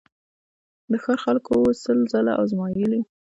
د ښار خلکو وو سل ځله آزمېیلی